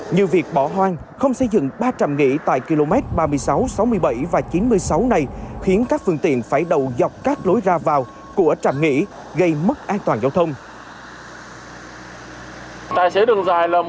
như việc bỏ hoang không xây dựng ba trạm nghỉ tại km ba mươi sáu sáu mươi bảy và chín mươi sáu này khiến các phương tiện phải đầu dọc các lối ra vào của trạm nghỉ gây mất an toàn giao thông